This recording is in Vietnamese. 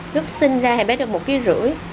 lúc sinh ra thì bé được một năm kg